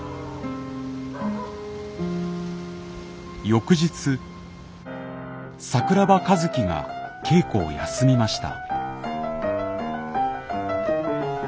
翌日桜庭和希が稽古を休みました。